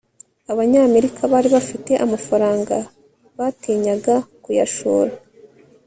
abanyamerika bari bafite amafaranga batinyaga kuyashora